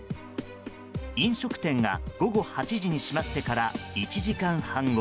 飲食店が午後８時に閉まってから１時間半後。